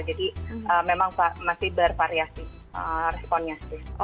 jadi memang masih bervariasi responnya sih